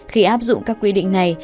khi áp dụng các quy định này